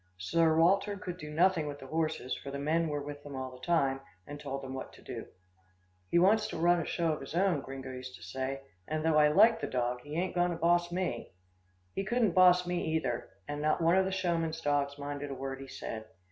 Sir Walter could do nothing with the horses, for the men were with them all the time, and told them what to do. "He wants to run a show of his own," Gringo used to say, "and though I like the dog, he ain't going to boss me!" He couldn't boss me, either, and not one of the showman's dogs minded a word he said.